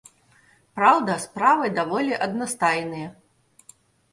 Праўда, справы даволі аднастайныя.